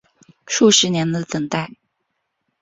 数十年的等待